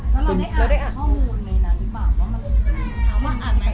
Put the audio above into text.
แล้วเราได้อ่านข้อมูลในนั้นหรือเปล่าว่าอ่านไหม